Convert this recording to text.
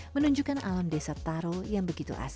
menunjukkan alam desa taro yang begitu asli